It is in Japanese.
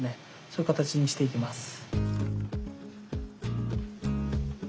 そういう形にしていきます。